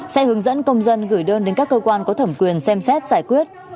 sẽ hướng dẫn công dân gửi đơn đến các cơ quan có thẩm quyền xem xét giải quyết